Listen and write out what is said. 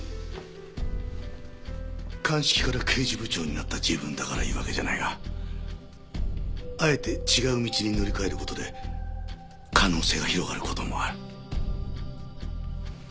鑑識から刑事部長になった自分だから言うわけじゃないがあえて違う道に乗り換える事で可能性が広がる事もある。